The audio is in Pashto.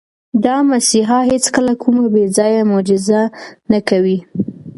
دا مسیحا هیڅکله کومه بې ځایه معجزه نه کوي.